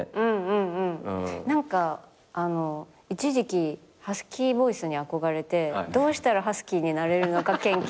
何か一時期ハスキーボイスに憧れてどうしたらハスキーになれるのか研究。